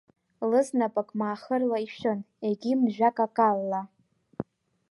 Лызнапык маахырла ишәын, егьи мжәа какалла.